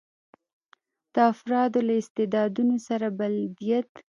د افرادو له استعدادونو سره بلدیت.